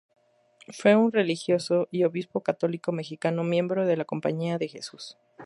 Fue un religioso y obispo católico mexicano, miembro de la Compañía de Jesús.